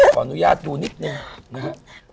ขออนุญาตดูนิดนึง